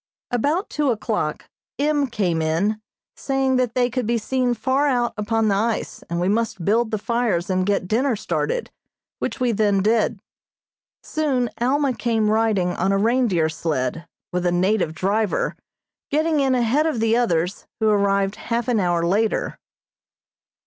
About two o'clock M. came in, saying that they could be seen far out upon the ice, and we must build the fires and get dinner started, which we then did. Soon Alma came riding on a reindeer sled, with a native driver, getting in ahead of the others, who arrived half an hour later.